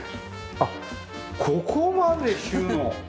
あっここまで収納！？